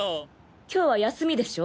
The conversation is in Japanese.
今日は休みでしょ？